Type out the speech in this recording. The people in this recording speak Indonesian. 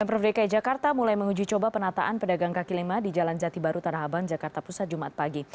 pemprov dki jakarta mulai menguji coba penataan pedagang kaki lima di jalan jati baru tanah abang jakarta pusat jumat pagi